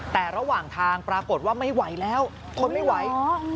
แต่ระหว่างทางปรากฏว่าไม่ไหวแล้วทนไม่ไหว